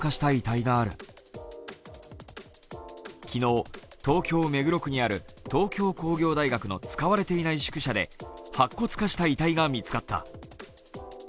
昨日、東京・目黒区にある東京工業大学の使われていない宿舎で白骨化した遺体が見つかった。